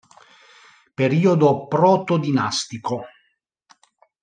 Periodo Protodinastico